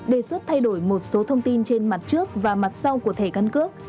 đề xuất thay đổi một số thông tin trên mặt trước và mặt sau của thẻ căn cước